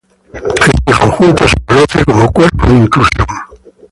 Este conjunto es conocido como cuerpo de inclusión.